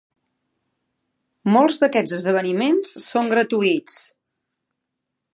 Molts d'aquests esdeveniments són gratuïts.